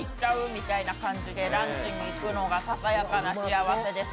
みたいな感じでランチに行くのがささやかな幸せです。